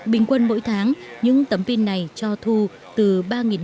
bình quân mỗi tháng những tấm pin này cho thu từ ba năm trăm linh đến bốn năm trăm linh kwh điện